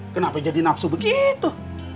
kenapa jadi nafsu begitu